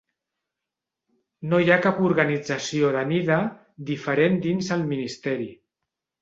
No hi ha cap organització Danida diferent dins el Ministeri.